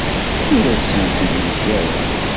Ur asen-t-id-yeǧǧa ara.